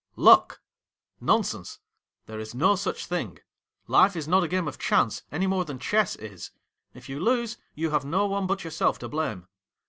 " nonsense. There is no such thing. Life is not a game of chance any more than chess is. If you lose, you have no one but yourself to blame.'